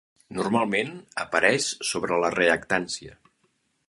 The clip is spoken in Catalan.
Normalment apareix sobre la reactància.